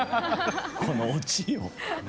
・このオチよ。